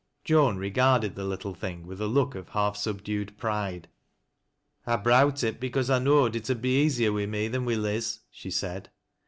Joan regarded the little thing with a look of half subdued pride. " I browt it because I knowed it ud be easier wi' mo than wi' Liz," she said.